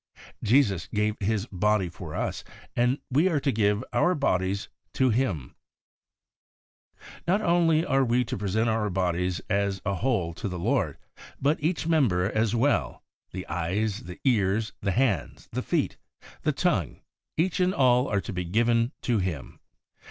Jesus gave His body for us, and we are to give our bodies to Him. 38 THE WAY OF HOLINESS Not only are we to present our bodies as a whole to the Lord, but each member as well; the eyes, the ears, the hands, the feet, the tongue, each and all are to be given to Him.